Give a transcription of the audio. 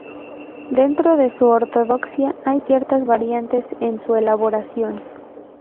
Dentro de su ortodoxia hay ciertas variantes en su elaboración.